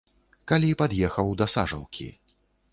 Калі пад'ехаў да сажалкі.